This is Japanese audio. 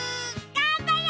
がんばれ！